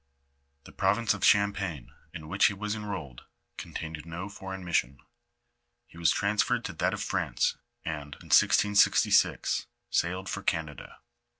The province of Champagne in which he was enrolled con tained no foreign mission: he was transferred to that of France, and, in 1666, sailed for Canada.